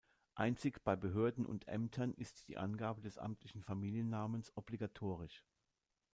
Einzig bei Behörden und Ämtern ist die Angabe des amtlichen Familiennamens obligatorisch.